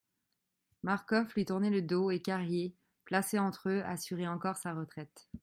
Marcof lui tournait le dos, et Carrier placé entre eux assurait encore sa retraite.